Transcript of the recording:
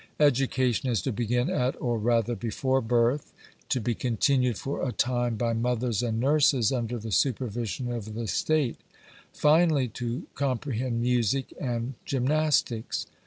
Education is to begin at or rather before birth; to be continued for a time by mothers and nurses under the supervision of the state; finally, to comprehend music and gymnastics.